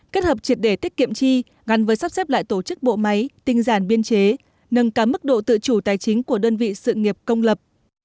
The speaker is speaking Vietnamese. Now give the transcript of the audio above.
kết hợp triệt để tiết kiệm chi gắn với sắp xếp lại tổ chức bộ máy tinh giản biên chế nâng cắm mức độ tự chủ tài chính của đơn vị sự nghiệp công lập